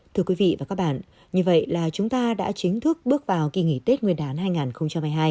thưa quý vị và các bạn như vậy là chúng ta đã chính thức bước vào kỳ nghỉ tết nguyên đán hai nghìn hai mươi hai